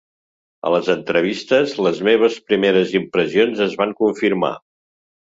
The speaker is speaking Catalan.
A les entrevistes, les meves primeres impressions es van confirmar.